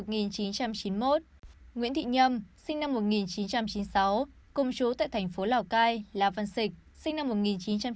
nguyễn thị nhâm sinh năm một nghìn chín trăm chín mươi sáu cùng chú tại thành phố lào cai lào văn sịch sinh năm một nghìn chín trăm chín mươi ba